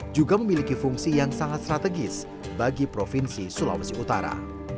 juga memiliki fungsi yang sangat strategis bagi provinsi sulawesi utara